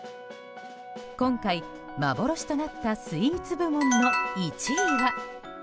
今回、幻となったスイーツ部門の１位は。